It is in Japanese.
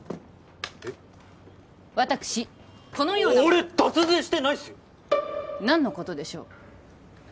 私このような俺脱税してないっすよ何のことでしょう？